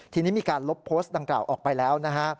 ทีนี้มีการลบโพสต์ดังกล่าวออกไปแล้วนะฮะ